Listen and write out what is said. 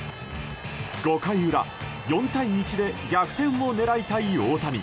５回裏、４対１で逆転を狙いたい大谷。